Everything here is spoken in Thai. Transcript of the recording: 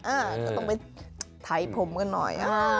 อ้าต้องไปทัยผมกันหน่อย